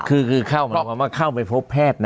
คือคือเข้าเหมือนกับว่าเข้าไปพบแพทย์นะ